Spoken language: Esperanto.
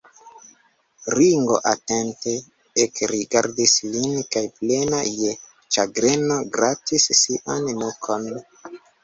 Ringo atente ekrigardis lin kaj plena je ĉagreno gratis sian nukon.